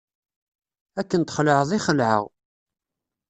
Akken txelεeḍ i xelεeɣ.